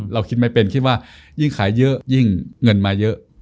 เราคิดไม่เป็นคิดว่ายิ่งขายเยอะยิ่งเงินมาเยอะ